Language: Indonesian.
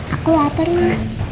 aku lapar ma